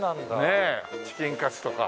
ねえチキンカツとか。